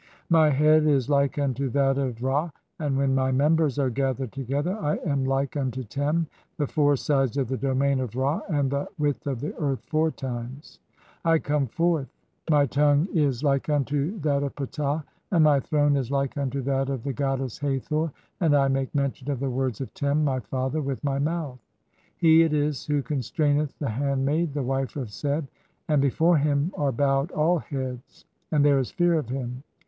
My head is like unto that of "Ra, and [when my members are] gathered together [I am] like "unto Tem ; the four [sides of the domain] of Ra, (10) and the "width of the earth four times. I come forth. My tongue is THE CHAPTERS OF TRANSFORMATIONS. 1 43 "like unto that of Ptah and my throne is like unto that of the "goddess Hathor, and I make mention of the words of Tem, "my father, (11) with my mouth. He it is who constraineth "the handmaid, the wife of Seb, and before him are bowed "[all] heads, and there is fear of him.